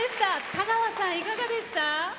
田川さん、いかがでした？